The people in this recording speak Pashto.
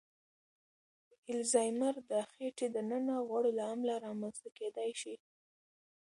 الزایمر د خېټې دننه غوړو له امله رامنځ ته کېدای شي.